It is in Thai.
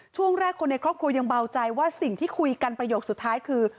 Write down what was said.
ช่วงแรกคนในครอบครัวยังเบาใจว่าสิ่งที่คุยกันประโยคสุดท้ายคือ